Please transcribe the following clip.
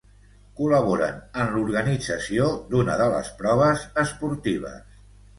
col·laboren en l'organització d'una de les proves esportives